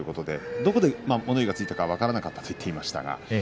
どこで物言いがついたか分からなかったと言っていました。